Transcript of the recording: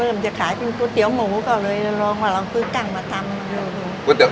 เริ่มจะขายเป็นก๋วยเตี๋ยวหมูก็เลยลองว่าเราคือกั้งมาทำ